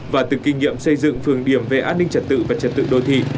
và từ kinh nghiệm xây dựng phường điểm về an ninh trật tự và trật tự đô thị